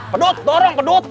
pedut pedut pedut